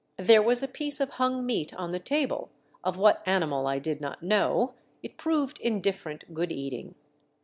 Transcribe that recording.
There was a piece of hung meat on the table, of what animal I did not know ; it proved indifferent good eating.